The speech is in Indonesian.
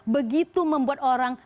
begitu membuat orang